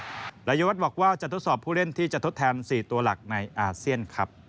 รายวัฒน์บอกว่าจะทดสอบผู้เล่นที่จะทดแทน๔ตัวหลักในอาเซียนครับ